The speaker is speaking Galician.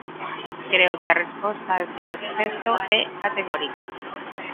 Creo que a resposta, a este respecto, é categórica.